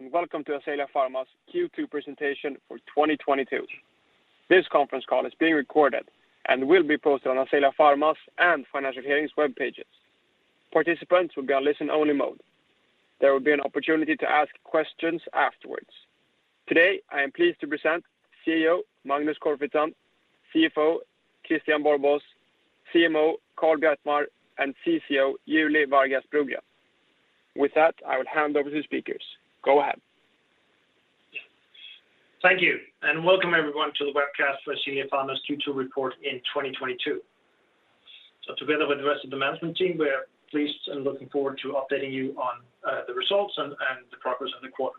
Welcome to Ascelia Pharma's Q2 presentation for 2022. This conference call is being recorded and will be posted on Ascelia Pharma's and Financial Hearing's web pages. Participants will be on listen-only mode. There will be an opportunity to ask questions afterwards. Today, I am pleased to present CEO Magnus Corfitzen, CFO Kristian Borbos, CMO Carl Bjartmar, and CCO Julie Waras Brogren. With that, I would hand over to speakers. Go ahead. Thank you, and Welcome everyone to the webcast for Ascelia Pharma's Q2 report in 2022. Together with the rest of the management team, we are pleased and looking forward to updating you on the results and the progress of the quarter.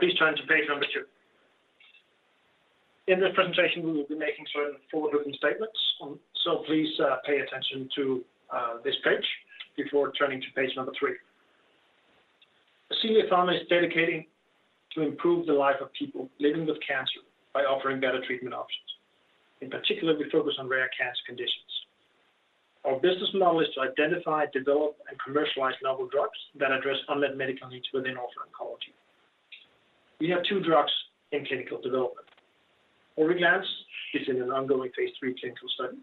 Please turn to page two. In this presentation, we will be making certain forward-looking statements, please pay attention to this page before turning to page three. Ascelia Pharma is dedicated to improve the life of people living with cancer by offering better treatment options. In particular, we focus on rare cancer conditions. Our business model is to identify, develop, and commercialize novel drugs that address unmet medical needs within orphan oncology. We have two drugs in clinical development. Orviglance is in an ongoing phase III clinical study.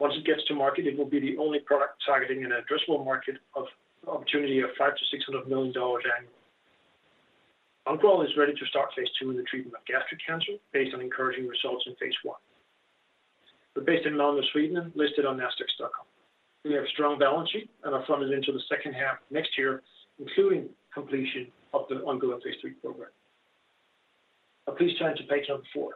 Once it gets to market, it will be the only product targeting an addressable market of opportunity of $500 million-$600 million annually. Oncoral is ready to start phase II in the treatment of gastric cancer based on encouraging results in phase I. We're based in Malmö, Sweden, listed on Nasdaq Stockholm. We have strong balance sheet and are funded into the second half of next year, including completion of the ongoing phase III program. Now please turn to page number four.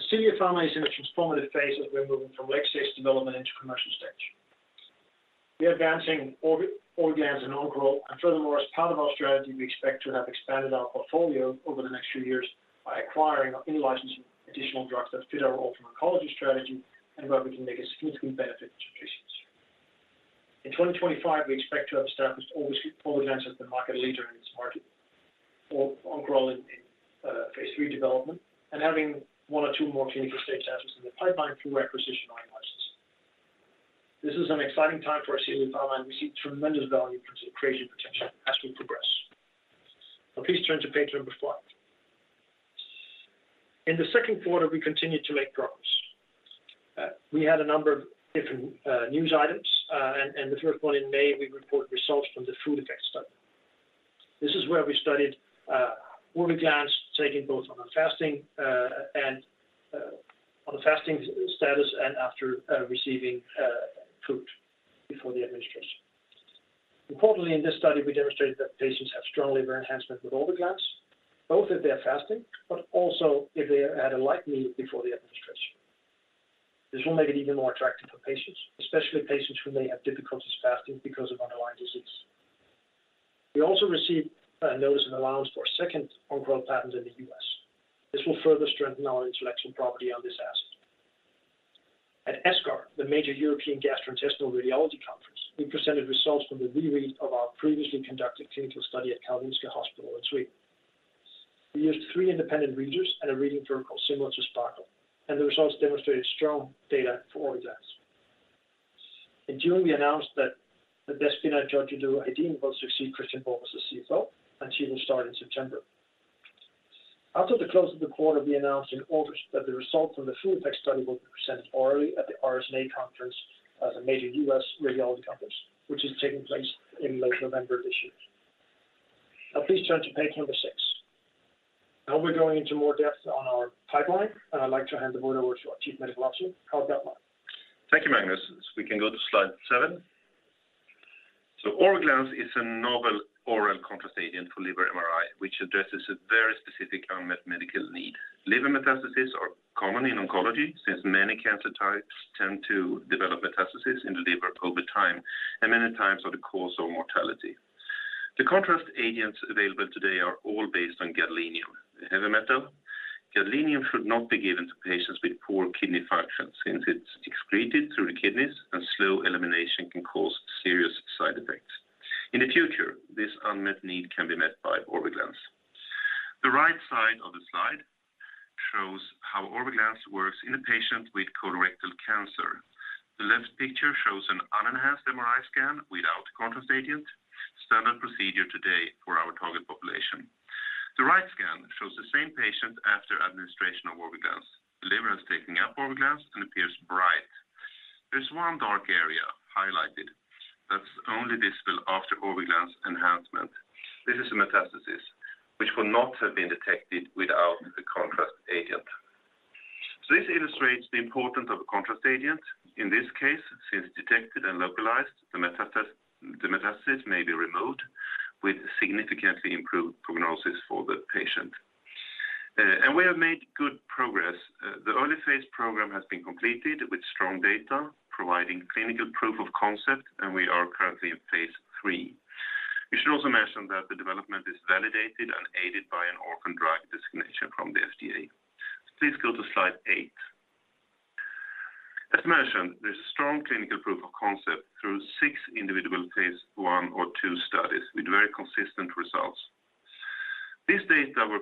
Ascelia Pharma is in a transformative phase as we're moving from late-stage development into commercial stage. We are advancing Orviglance and Oncoral, and furthermore, as part of our strategy, we expect to have expanded our portfolio over the next few years by acquiring or in-licensing additional drugs that fit our ultra oncology strategy and where we can make a significant benefit to patients. In 2025, we expect to have established Orviglance as the market leader in this market. Oncoral in phase III development and having one or two more clinical-stage assets in the pipeline through acquisition or in-license. This is an exciting time for Ascelia Pharma, and we see tremendous value and creation potential as we progress. Now please turn to page five. In the second quarter, we continued to make progress. We had a number of different news items, and the first one in May we reported results from the Food Effect Study. This is where we studied Orviglance taking both on a fasting status and after receiving food before the administration. Importantly, in this study, we demonstrated that patients have strong liver enhancement with Orviglance, both if they're fasting but also if they are at a light meal before the administration. This will make it even more attractive for patients, especially patients who may have difficulties fasting because of underlying disease. We also received a notice of allowance for second Oncoral patent in the U.S. This will further strengthen our intellectual property on this asset. At ESGAR, the major European gastrointestinal radiology conference, we presented results from the reread of our previously conducted clinical study at Karolinska Hospital in Sweden. We used three independent readers and a reading protocol similar to SPARKLE, and the results demonstrated strong data for Orviglance. In June, we announced that Déspina Georgiadou Hedin will succeed Kristian Borbos as CFO, and she will start in September. After the close of the quarter, we announced in August that the results from the Food Effect Study will be presented orally at the RSNA conference as a major U.S. radiology conference, which is taking place in late November this year. Now please turn to page number six. Now we're going into more depth on our pipeline, and I'd like to hand over to our Chief Medical Officer, Carl Bjartmar. Thank you, Magnus. We can go to slide seven. Orviglance is a novel oral contrast agent for liver MRI, which addresses a very specific unmet medical need. Liver metastases are common in oncology since many cancer types tend to develop metastases in the liver over time, and many times are the cause of mortality. The contrast agents available today are all based on gadolinium, a heavy metal. Gadolinium should not be given to patients with poor kidney function since it's excreted through the kidneys and slow elimination can cause serious side effects. In the future, this unmet need can be met by Orviglance. The right side of the slide shows how Orviglance works in a patient with colorectal cancer. The left picture shows an unenhanced MRI scan without contrast agent, standard procedure today for our target population. The right scan shows the same patient after administration of Orviglance. The liver is taking up Orviglance and appears bright. There's one dark area highlighted that's only visible after Orviglance enhancement. This is a metastasis which would not have been detected without the contrast agent. This illustrates the importance of a contrast agent in this case, since detected and localized, the metastasis may be removed with significantly improved prognosis for the patient. We have made good progress. The early phase program has been completed with strong data providing clinical proof of concept, and we are currently in phase III. We should also mention that the development is validated and aided by an Orphan Drug Designation from the FDA. Please go to slide eight. As mentioned, there's strong clinical proof of concept through six individual phase I or II.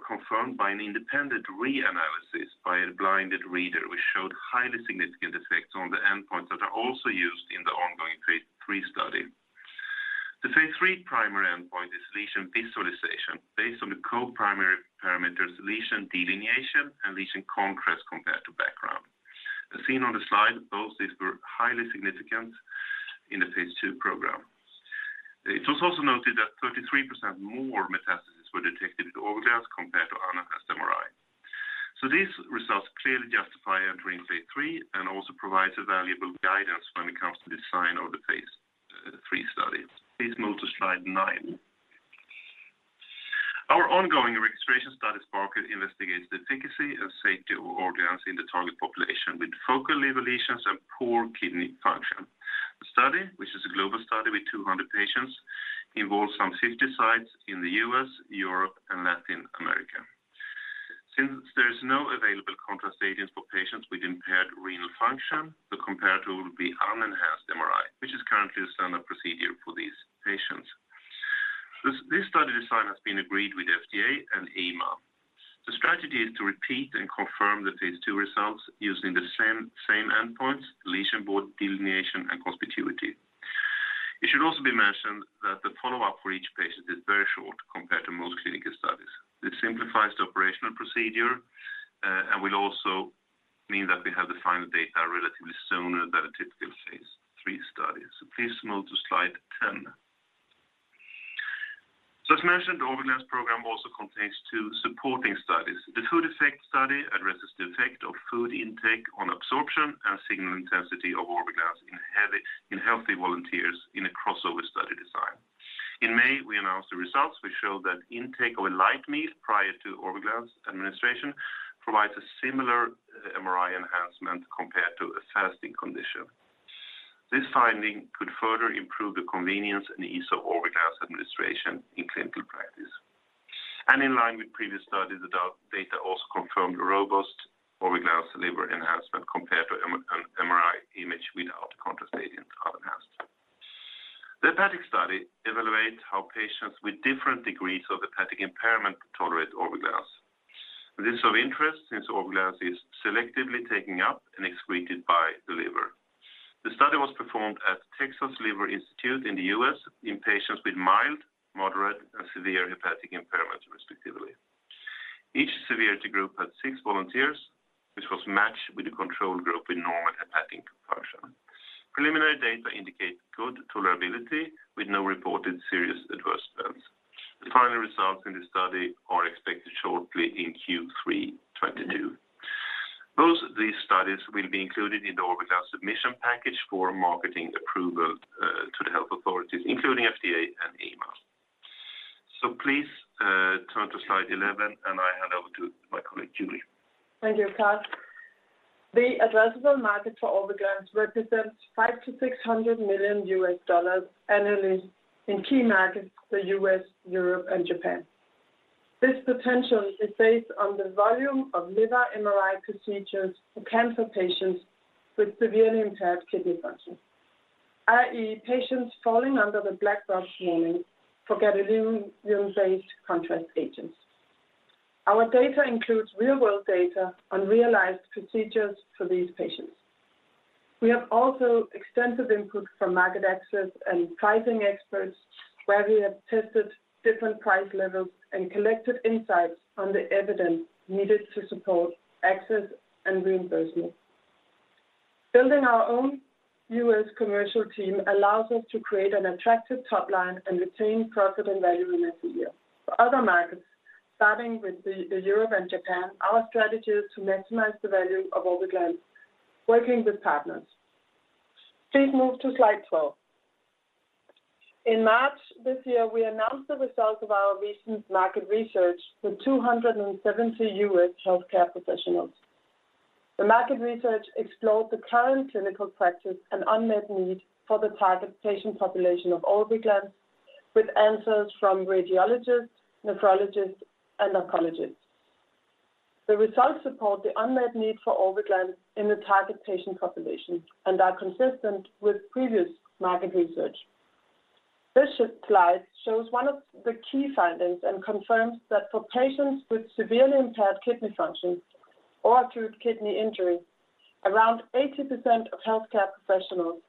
Confirmed by an independent re-analysis by a blinded reader, which showed highly significant effects on the endpoints that are also used in the ongoing phase III study. The phase III primary endpoint is lesion visualization based on the co-primary parameters, lesion delineation and lesion contrast, compared to background. As seen on the slide, both these were highly significant in the phase II program. It was also noted that 33% more metastases were detected with Orviglance compared to unenhanced MRI. These results clearly justify entering phase III and also provides a valuable guidance when it comes to design of the phase III study. Please move to slide nine. Our ongoing registration study SPARKLE investigates the efficacy and safety of Orviglance in the target population with focal liver lesions and poor kidney function. The study, which is a global study with 200 patients, involves some 50 sites in the U.S., Europe, and Latin America. Since there is no available contrast agents for patients with impaired renal function, the comparator will be unenhanced MRI, which is currently the standard procedure for these patients. This study design has been agreed with FDA and EMA. The strategy is to repeat and confirm the phase II results using the same endpoints, lesion both delineation and conspicuity. It should also be mentioned that the follow-up for each patient is very short compared to most clinical studies. This simplifies the operational procedure, and will also mean that we have the final data relatively sooner than a typical phase III study. Please move to slide 10. As mentioned, Orviglance program also contains two supporting studies. The food effect study addresses the effect of food intake on absorption and signal intensity of Orviglance in healthy volunteers in a crossover study design. In May, we announced the results which show that intake of a light meal prior to Orviglance administration provides a similar MRI enhancement compared to a fasting condition. This finding could further improve the convenience and ease of Orviglance administration in clinical practice. In line with previous studies, the data also confirmed robust Orviglance liver enhancement compared to an MRI image without contrast agent unenhanced. The hepatic study evaluates how patients with different degrees of hepatic impairment tolerate Orviglance. This is of interest since Orviglance is selectively taken up and excreted by the liver. The study was performed at Texas Liver Institute in the U.S. in patients with mild, moderate, and severe hepatic impairment respectively. Each severity group had six volunteers, which was matched with a control group with normal hepatic function. Preliminary data indicate good tolerability with no reported serious adverse events. The final results in this study are expected shortly in Q3 2022. Both these studies will be included in the Orviglance submission package for marketing approval, to the health authorities, including FDA and EMA. Please, turn to slide 11, and I hand over to my colleague, Julie. Thank you, Carl. The addressable market for Orviglance represents $500 million-$600 million annually in key markets, the U.S., Europe, and Japan. This potential is based on the volume of liver MRI procedures for cancer patients with severely impaired kidney function, i.e., patients falling under the black box warning for gadolinium-based contrast agents. Our data includes real-world data on realized procedures for these patients. We have also extensive input from market access and pricing experts where we have tested different price levels and collected insights on the evidence needed to support access and reimbursement. Building our own U.S. commercial team allows us to create an attractive top line and retain profit and value in Ascelia. For other markets, starting with Europe and Japan, our strategy is to maximize the value of Orviglance working with partners. Please move to slide 12. In March this year, we announced the results of our recent market research with 270 U.S. healthcare professionals. The market research explored the current clinical practice and unmet need for the target patient population of Orviglance with answers from radiologists, nephrologists, and oncologists. The results support the unmet need for Orviglance in the target patient population and are consistent with previous market research. This slide shows one of the key findings and confirms that for patients with severely impaired kidney function or acute kidney injury, around 80% of healthcare professionals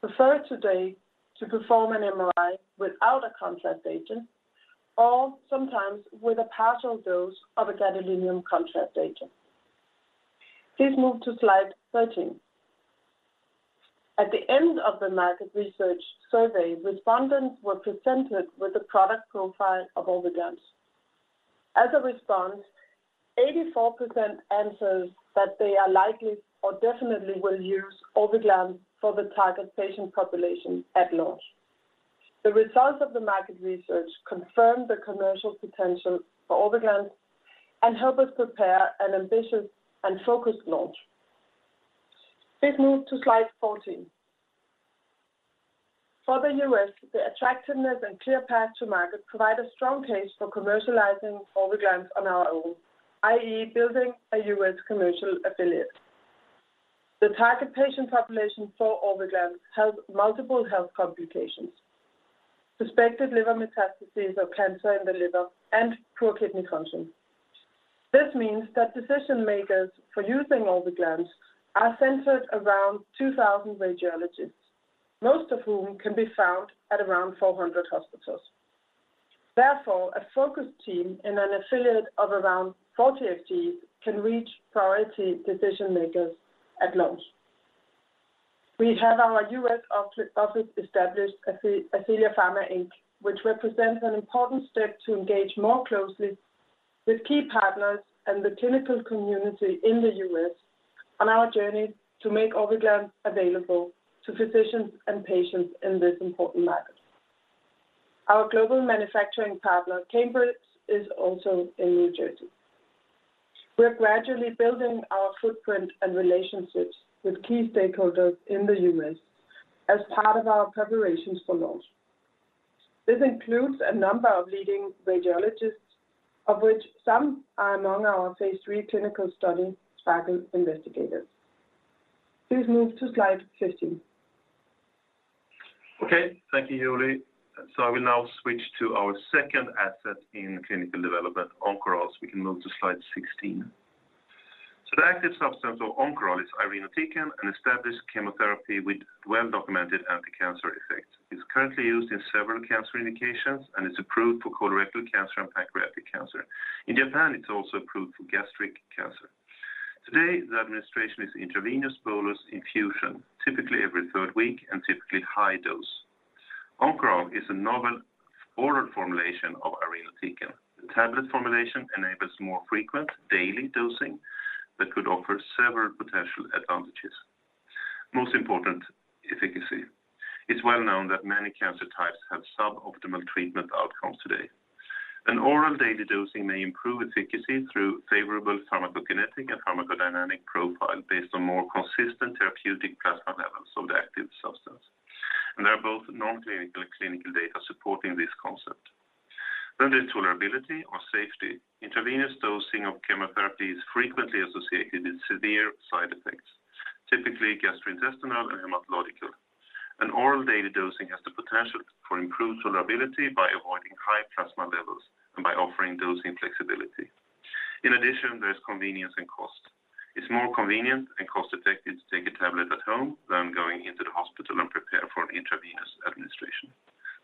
prefer today to perform an MRI without a contrast agent or sometimes with a partial dose of a gadolinium contrast agent. Please move to slide 13. At the end of the market research survey, respondents were presented with a product profile of Orviglance. As a response, 84% answers that they are likely or definitely will use Orviglance for the target patient population at launch. The results of the market research confirm the commercial potential for Orviglance and help us prepare an ambitious and focused launch. Please move to slide 14. For the U.S., the attractiveness and clear path to market provide a strong case for commercializing Orviglance on our own, i.e., building a U.S. commercial affiliate. The target patient population for Orviglance has multiple health complications. Suspected liver metastases or cancer in the liver and poor kidney function. This means that decision-makers for using Orviglance are centered around 2,000 radiologists, most of whom can be found at around 400 hospitals. Therefore, a focus team and an affiliate of around 40 FTEs can reach priority decision-makers at launch. We have our U.S. office established, Ascelia Pharma Inc., which represents an important step to engage more closely with key partners and the clinical community in the U.S. on our journey to make Orviglance available to physicians and patients in this important market. Our global manufacturing partner, Cambrex, is also in New Jersey. We are gradually building our footprint and relationships with key stakeholders in the U.S. as part of our preparations for launch. This includes a number of leading radiologists, of which some are among our phase three clinical study faculty investigators. Please move to slide 15. Okay. Thank you, Julie. I will now switch to our second asset in clinical development, Oncoral. We can move to slide 16. The active substance of Oncoral is irinotecan, an established chemotherapy with well-documented anticancer effect. It's currently used in several cancer indications, and it's approved for colorectal cancer and pancreatic cancer. In Japan, it's also approved for gastric cancer. Today, the administration is intravenous bolus infusion, typically every third week and typically high dose. Oncoral is a novel oral formulation of irinotecan. The tablet formulation enables more frequent daily dosing that could offer several potential advantages. Most important, efficacy. It's well known that many cancer types have suboptimal treatment outcomes today. An oral daily dosing may improve efficacy through favorable pharmacokinetic and pharmacodynamic profile based on more consistent therapeutic plasma levels of the active substance. There are both non-clinical and clinical data supporting this concept. There's tolerability or safety. Intravenous dosing of chemotherapy is frequently associated with severe side effects, typically gastrointestinal and hematological. An oral daily dosing has the potential for improved tolerability by avoiding high plasma levels and by offering dosing flexibility. In addition, there is convenience and cost. It's more convenient and cost-effective to take a tablet at home than going into the hospital and prepare for an intravenous administration.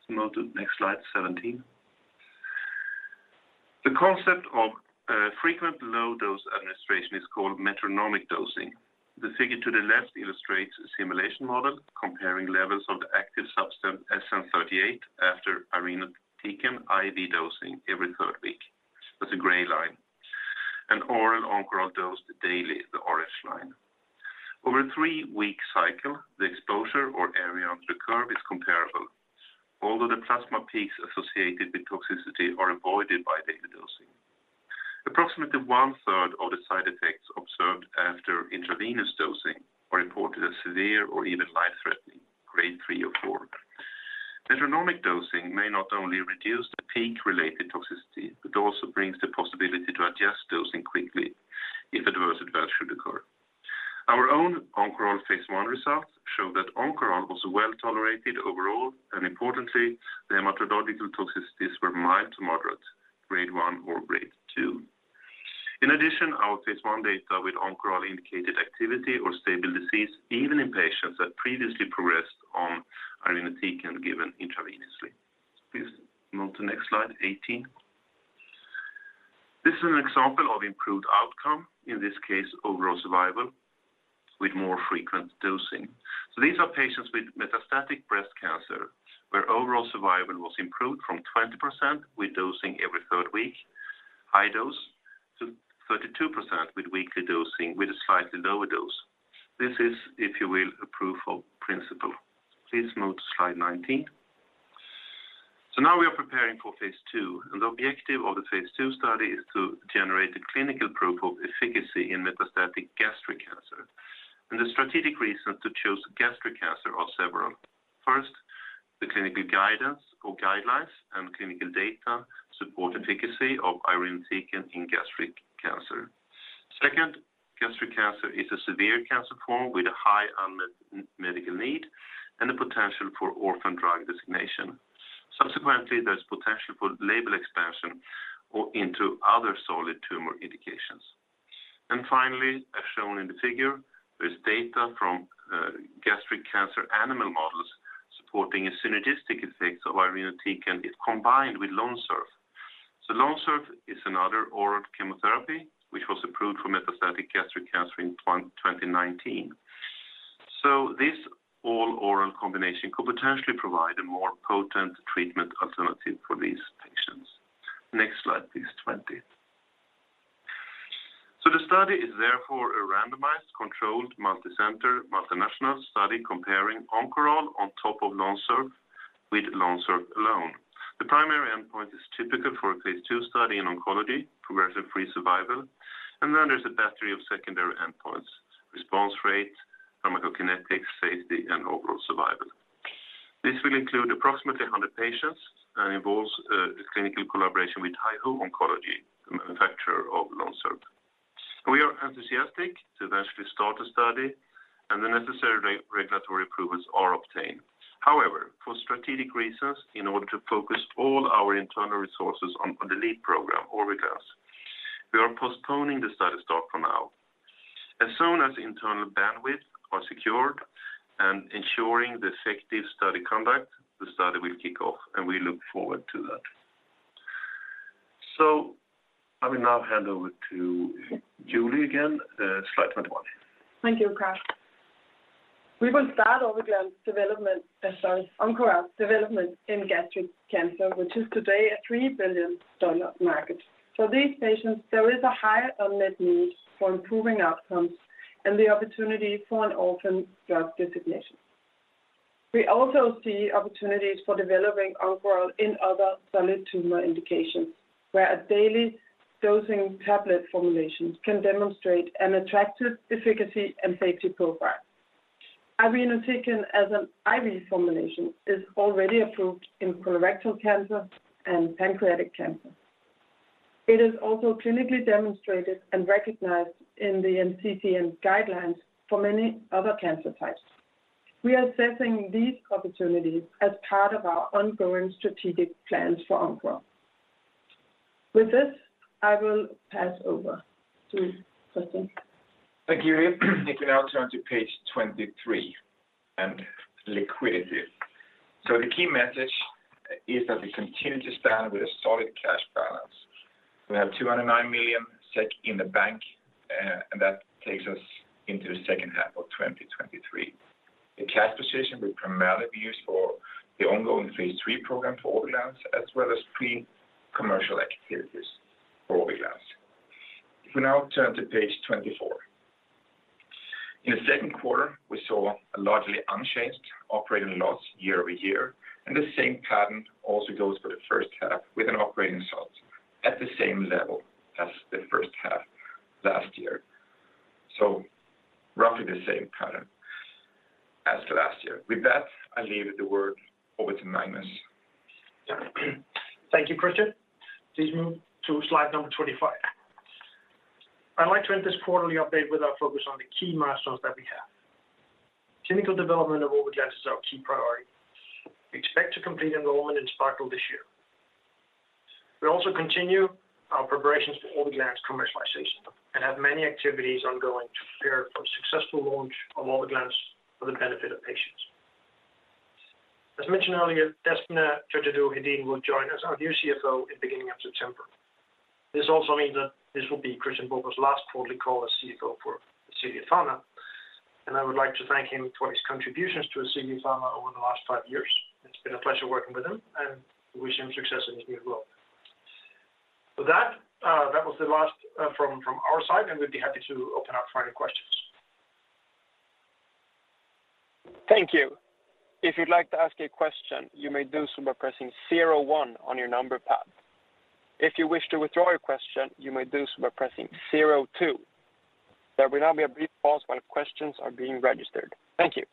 Move to next slide, 17. The concept of frequent low-dose administration is called metronomic dosing. The figure to the left illustrates a simulation model comparing levels of the active substance SN38 after irinotecan IV dosing every third week. That's the gray line. An oral Oncoral dosed daily, the orange line. Over a three-week cycle, the exposure or area under the curve is comparable, although the plasma peaks associated with toxicity are avoided by daily dosing. Approximately one-third of the side effects observed after intravenous dosing are reported as severe or even life-threatening, grade 3 or 4. Metronomic dosing may not only reduce the peak-related toxicity but also brings the possibility to adjust dosing quickly if adverse events should occur. Our own Oncoral phase I results show that Oncoral was well-tolerated overall, and importantly, the hematological toxicities were mild to moderate, grade 1 or grade 2. In addition, our phase I data with Oncoral indicated activity or stable disease even in patients that previously progressed on irinotecan given intravenously. Please move to next slide 18. This is an example of improved outcome, in this case, overall survival with more frequent dosing. These are patients with metastatic breast cancer, where overall survival was improved from 20% with dosing every third week, high dose, to 32% with weekly dosing with a slightly lower dose. This is, if you will, a proof of principle. Please move to slide 19. Now we are preparing for phase II, and the objective of the phase II study is to generate the clinical proof of efficacy in metastatic gastric cancer. The strategic reason to choose gastric cancer are several. First, the clinical guidance or guidelines and clinical data support efficacy of irinotecan in gastric cancer. Second, gastric cancer is a severe cancer form with a high unmet medical need and the potential for orphan drug designation. Subsequently, there's potential for label expansion or into other solid tumor indications. Finally, as shown in the figure, there's data from gastric cancer animal models supporting a synergistic effect of irinotecan if combined with Lonsurf. Lonsurf is another oral chemotherapy which was approved for metastatic gastric cancer in 2019. This all-oral combination could potentially provide a more potent treatment alternative for these patients. Next slide, please, 20. The study is therefore a randomized, controlled, multicenter, multinational study comparing Oncoral on top of Lonsurf with Lonsurf alone. The primary endpoint is typical for a phase two study in oncology, progression-free survival. There's a battery of secondary endpoints, response rate, pharmacokinetics, safety, and overall survival. This will include approximately 100 patients and involves a clinical collaboration with Taiho Oncology, the manufacturer of Lonsurf. We are enthusiastic to eventually start a study and the necessary regulatory approvals are obtained. However, for strategic reasons, in order to focus all our internal resources on the lead program, Orviglance, we are postponing the study start for now. As soon as internal bandwidth are secured and ensuring the effective study conduct, the study will kick off, and we look forward to that. I will now hand over to Julie again. Slide 21. Thank you, Carl. We will start Oncoral development in gastric cancer, which is today a $3 billion market. For these patients, there is a high unmet need for improving outcomes and the opportunity for an Orphan Drug Designation. We also see opportunities for developing Oncoral in other solid tumor indications, where a daily dosing tablet formulations can demonstrate an attractive efficacy and safety profile. Irinotecan as an IV formulation is already approved in colorectal cancer and pancreatic cancer. It is also clinically demonstrated and recognized in the NCCN guidelines for many other cancer types. We are assessing these opportunities as part of our ongoing strategic plans for Oncoral. With this, I will pass over to Kristian. Thank you. You can now turn to page 23 and liquidity. The key message is that we continue to stand with a solid cash balance. We have 209 million SEK in the bank, and that takes us into the second half of 2023. The cash position will primarily be used for the ongoing phase III program for Orviglance, as well as pre-commercial activities for Orviglance. You can now turn to page 24. In the second quarter, we saw a largely unchanged operating loss year-over-year, and the same pattern also goes for the first half with an operating loss at the same level as the first half last year. Roughly the same pattern as for last year. With that, I hand the word over to Magnus. Yeah. Thank you, Kristian. Please move to slide number 25. I'd like to end this quarterly update with our focus on the key milestones that we have. Clinical development of Orviglance is our key priority. We expect to complete enrollment in SPARKLE this year. We also continue our preparations for Orviglance commercialization and have many activities ongoing to prepare for successful launch of Orviglance for the benefit of patients. As mentioned earlier, Déspina Georgiadou Hedin will join as our new CFO in beginning of September. This also means that this will be Kristian Borbos last quarterly call as CFO for Ascelia Pharma, and I would like to thank him for his contributions to Ascelia Pharma over the last five years. It's been a pleasure working with him, and we wish him success in his new role. For that was the last from our side, and we'd be happy to open up for any questions. Thank you. If you'd like to ask a question, you may do so by pressing zero one on your number pad. If you wish to withdraw your question, you may do so by pressing zero two. There will now be a brief pause while questions are being registered. Thank you.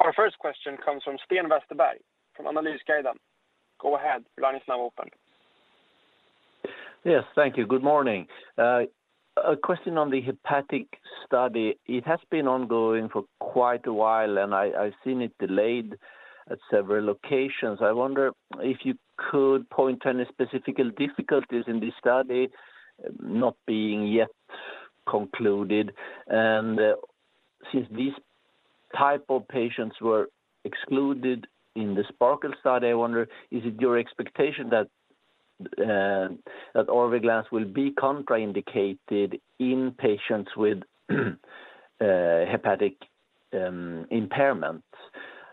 Our first question comes from Sten Westerberg from Analysguiden. Go ahead. Line is now open. Yes, thank you. Good morning. A question on the hepatic study. It has been ongoing for quite a while, and I've seen it delayed at several locations. I wonder if you could point any specific difficulties in this study not being yet concluded. Since these type of patients were excluded in the SPARKLE study, I wonder, is it your expectation that Orviglance will be contraindicated in patients with hepatic impairment?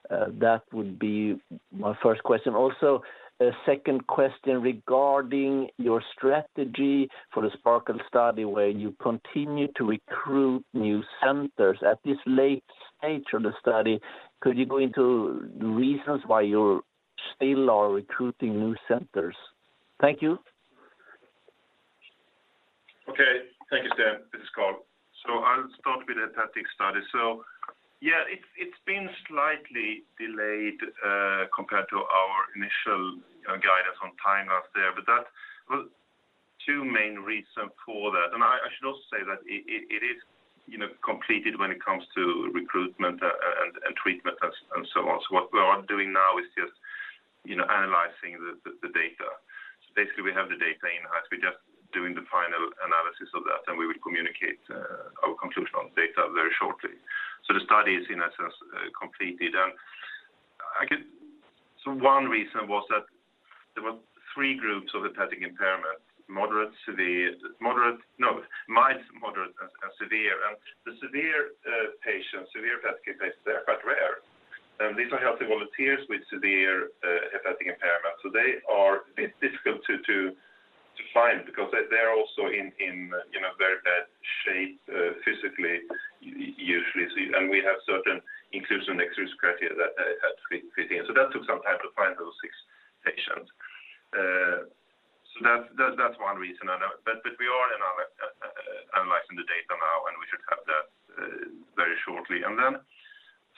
That would be my first question. Also, a second question regarding your strategy for the SPARKLE study where you continue to recruit new centers. At this late stage of the study, could you go into reasons why you still are recruiting new centers? Thank you. Okay. Thank you, Sten. This is Carl. I'll start with the hepatic study. Yeah, it's been slightly delayed compared to our initial guidance on timelines there, but. Well, two main reason for that. I should also say that it is, you know, completed when it comes to recruitment and treatment and so on. What we are doing now is just, you know, analyzing the data. Basically, we have the data in-house. We're just doing the final analysis of that, and we will communicate our conclusion on the data very shortly. The study is in a sense completed. One reason was that there were three groups of hepatic impairment, mild, moderate, and severe. Severe hepatic patients, they're quite rare. These are healthy volunteers with severe hepatic impairment, so they are a bit difficult to find because they're also in, you know, very bad shape physically. Usually we see and we have certain inclusion exclusion criteria that fit in. That took some time to find those six patients. That's one reason. We are analyzing the data now, and we should have that very shortly.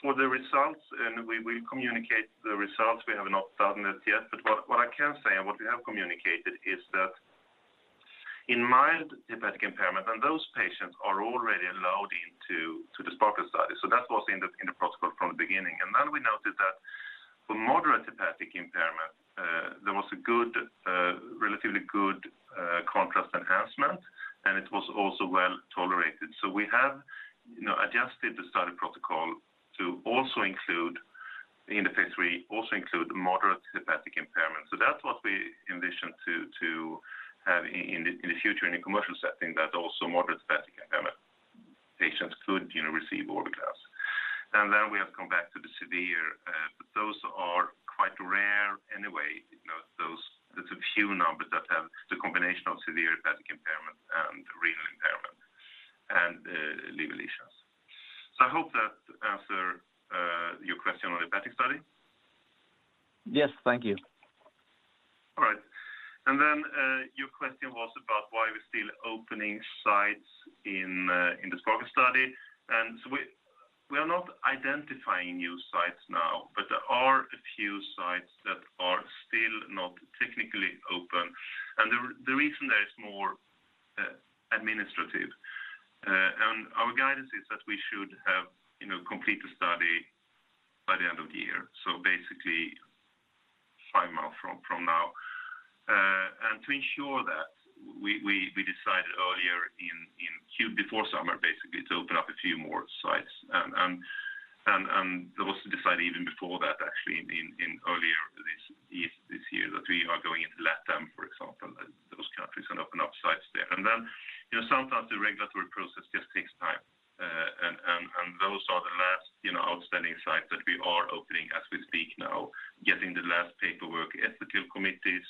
Then for the results, we will communicate the results. We have not done that yet, but what I can say and what we have communicated is that in mild hepatic impairment, those patients are already allowed into the SPARKLE study. That was in the protocol from the beginning. We noted that for moderate hepatic impairment, there was a good, relatively good, contrast enhancement, and it was also well-tolerated. We have, you know, adjusted the study protocol to also include in the phase III, also include moderate hepatic impairment. That's what we envision to have in the future in a commercial setting that also moderate hepatic impairment patients could, you know, receive Orviglance. We have come back to the severe, but those are quite rare anyway. You know, those. There's a few numbers that have the combination of severe hepatic impairment and renal impairment and liver lesions. I hope that answer your question on the hepatic study. Yes. Thank you. All right. Then, your question was about why we're still opening sites in the SPARKLE study. We are not identifying new sites now, but there are a few sites that are still not technically open. The reason is more administrative, and our guidance is that we should have, you know, complete the study by the end of the year. Basically five months from now. To ensure that we decided earlier, before summer, basically to open up a few more sites. That was decided even before that actually in earlier this year that we are going into LATAM, for example, those countries and open up sites there. You know, sometimes the regulatory process just takes time. Those are the last, you know, outstanding sites that we are opening as we speak now, getting the last paperwork, ethical committees,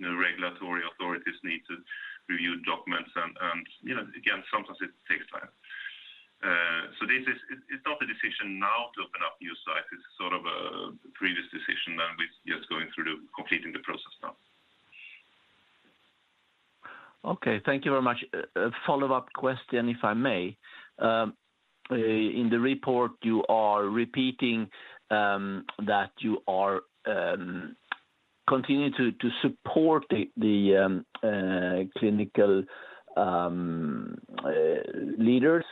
you know, regulatory authorities need to review documents and, you know, again, sometimes it takes time. This is it. It's not a decision now to open up new sites. It's sort of a previous decision and we just going through the completing the process now. Okay. Thank you very much. A follow-up question, if I may. In the report you are repeating that you are continuing to support the clinical leaders,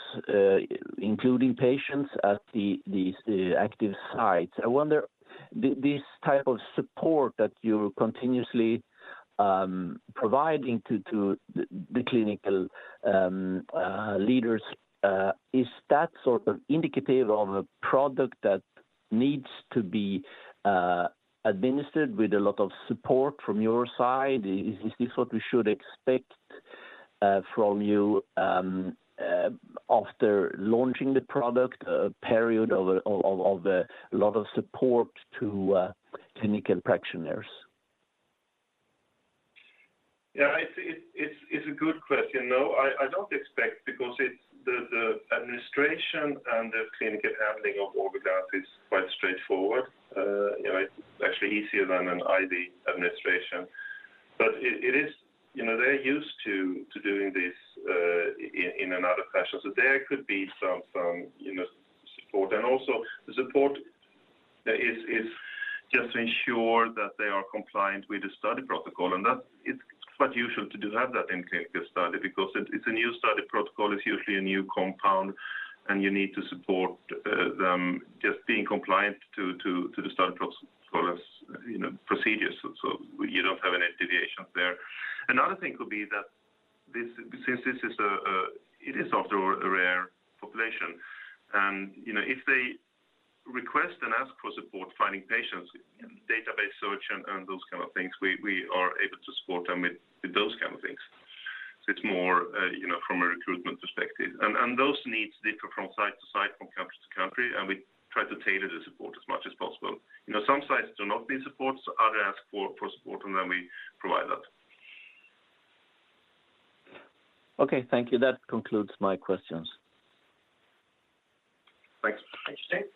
including patients at the active sites. I wonder this type of support that you're continuously providing to the clinical leaders is that sort of indicative of a product that needs to be administered with a lot of support from your side? Is this what we should expect from you after launching the product, a period of a lot of support to clinical practitioners? Yeah, it's a good question. No, I don't expect because it's the administration and the clinical handling of Orviglance is quite straightforward. You know, it's actually easier than an IV administration. It is, you know, they're used to doing this in another fashion. There could be some support. Also the support is just to ensure that they are compliant with the study protocol. That it's quite usual to have that in clinical study because it's a new study protocol. It's usually a new compound, and you need to support them just being compliant to the study protocols, you know, procedures. You don't have any deviations there. Another thing could be that, since this is a It is after all a rare population and, you know, if they request and ask for support finding patients, database search and those kind of things, we are able to support them with those kind of things. It's more, you know, from a recruitment perspective. Those needs differ from site to site, from country to country, and we try to tailor the support as much as possible. You know, some sites do not need support, so others ask for support, and then we provide that. Okay. Thank you. That concludes my questions. Thanks. Thank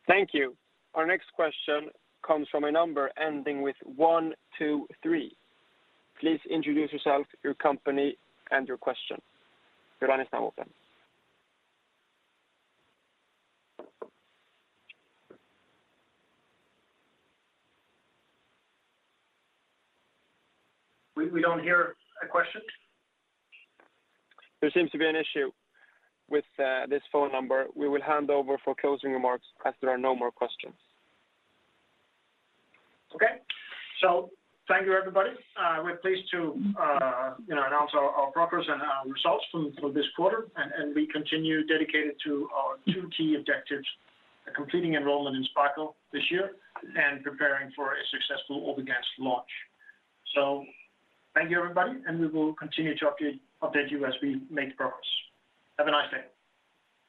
you, Sten. Thank you. Our next question comes from a number ending with one two three. Please introduce yourself, your company and your question. Your line is now open. We don't hear a question. There seems to be an issue with this phone number. We will hand over for closing remarks as there are no more questions. Okay. Thank you everybody. We're pleased to, you know, announce our progress and our results for this quarter. We continue dedicated to our two key objectives, completing enrollment in SPARKLE this year and preparing for a successful Orviglance launch. Thank you, everybody, and we will continue to update you as we make progress. Have a nice day.